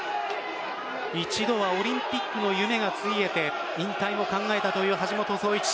一度はオリンピックの夢がついえて引退も考えたという橋本壮市。